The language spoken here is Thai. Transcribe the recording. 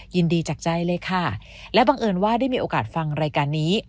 ยินดีจากใจเลยค่ะและบังเอิญว่าได้มีโอกาสฟังรายการนี้